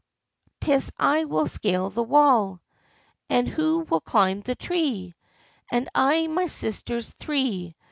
'Tis I will scale the wall." 44 And who will climb the tree ?" 44 I and my sisters three.